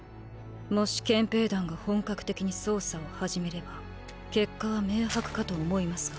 もし憲兵団が本格的に捜査を始めれば結果は明白かと思いますが。